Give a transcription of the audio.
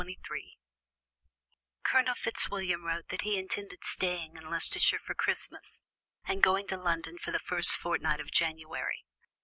Chapter XXIII Colonel Fitzwilliam wrote that he intended staying in Leicestershire for Christmas, and going to London for the first fortnight of January.